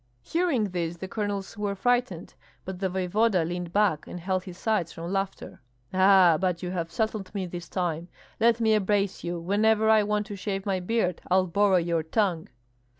Hearing this, the colonels were frightened; but the voevoda leaned back and held his sides from laughter. "Ah, but you have settled me this time! Let me embrace you! Whenever I want to shave my beard I'll borrow your tongue!"